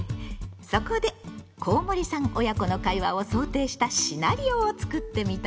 そこでコウモリさん親子の会話を想定したシナリオを作ってみたわよ。